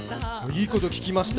いいこと聞きました